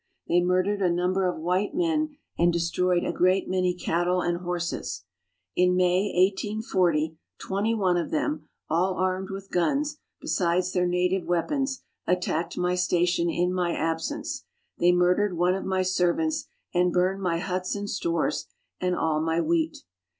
They murdered a number of white men and destroyed a great many cattle and horses. In May 1840, 21 of them, all armed with guns, besides their native weapons, attacked my station in my absence. They murdered one of my servants and burned my huts and stores, and all my wheat.